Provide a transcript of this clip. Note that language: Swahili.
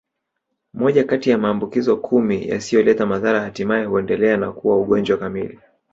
Moja kati ya maambukizo kumi yasiyoleta madhara hatimaye huendelea na kuwa ugonjwa kamili